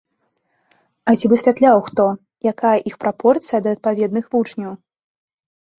А ці высвятляў хто, якая іх прапорцыя да адпаведных вучняў?